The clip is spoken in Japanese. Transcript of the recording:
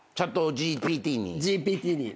ＧＰＴに。